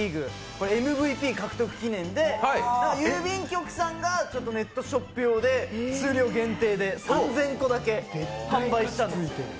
これ、ＭＶＰ獲得記念で郵便局さんがネットショップ用で数量限定で３０００個だけ販売したんです。